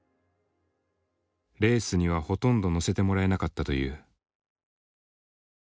レースにはほとんど乗せてもらえなかったという。